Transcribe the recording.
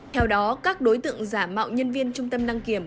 theo đó các đối tượng giả mạo nhân viên trung tâm đăng kiểm